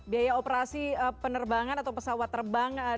biaya operasi penerbangan atau pesawat terbang dan juga yang diberlakukan